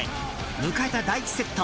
迎えた第１セット